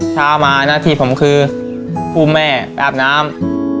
เช้ามาหน้าที่ผมคือผู้แม่อาบน้ำ